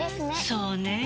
そうねぇ。